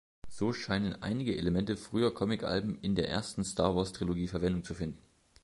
So scheinen einige Elemente früher Comicalben in der ersten Star-Wars-Trilogie Verwendung zu finden.